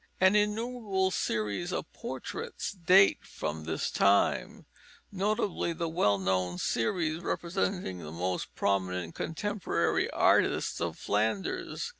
An innumerable series of portraits date from this time, notably the well known series representing the most prominent contemporary artists of Flanders.